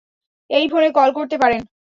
এই ফোনে কল করতে পারেন!